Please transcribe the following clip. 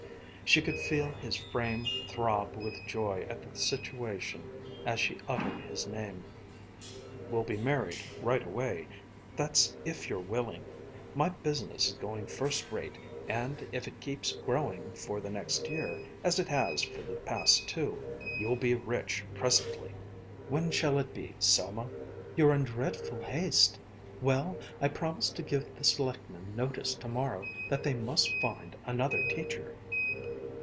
She could feel his frame throb with joy at the situation as she uttered his name. "We'll be married right away. That's if you're willing. My business is going first rate and, if it keeps growing for the next year as it has for the past two, you'll be rich presently. When shall it be, Selma?" "You're in dreadful haste. Well, I'll promise to give the selectmen notice to morrow that they must find another teacher."